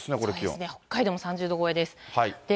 そうですね、北海道も３０度超えです。